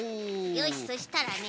よしそしたらね